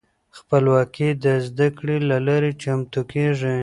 خپلواکې د زده کړې له لارې چمتو کیږي.